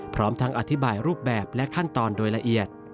พร้อมทั้งอธิบายรูปแบบและขั้นตอนโดยละเอียด